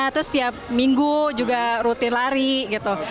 terus setiap minggu juga rutin lari gitu